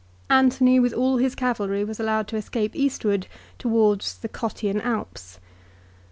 Antony with all his cavalry was allowed to escape eastward towards the Cottian Alps.